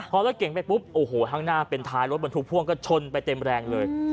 พอรถเก่งไปปุ๊บโอ้โหข้างหน้าเป็นท้ายรถบรรทุกพ่วงก็ชนไปเต็มแรงเลย